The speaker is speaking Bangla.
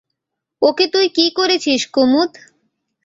ওকে তুই কী করেছিস কুমুদ?